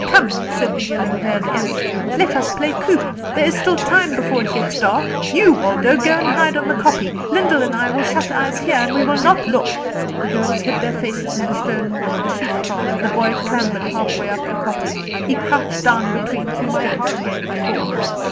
"Come," said the yellow haired Em, "let us play coop. There is still time before it gets quite dark. You, Waldo, go and hide on the kopje; Lyndall and I will shut eyes here, and we will not look." The girls hid their faces in the stone wall of the sheep kraal, and the boy clambered half way up the kopje. He crouched down between two stones and gave the call.